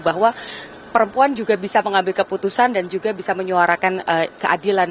bahwa perempuan juga bisa mengambil keputusan dan juga bisa menyuarakan keadilan